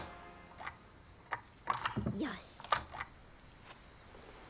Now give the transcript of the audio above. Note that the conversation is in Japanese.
よし！